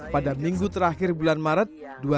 pada minggu terakhir bulan maret dua ribu dua puluh